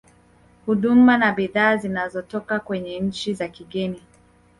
huduma na bidhaa zinazotoka kwenye nchi za kigeni